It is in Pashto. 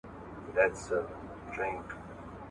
ولې خلک دا توپير نه زده کوي؟